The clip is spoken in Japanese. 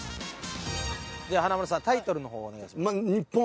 では華丸さんタイトルの方をお願いします。